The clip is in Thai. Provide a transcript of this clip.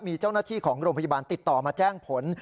มีเจ้าหน้าที่ของโรงพยาบาลติดต่อมาแจ้งผล